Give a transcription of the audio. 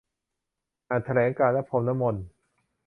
อ่านแถลงการณ์ และ พรมน้ำมนต์